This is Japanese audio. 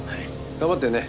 頑張ってるね。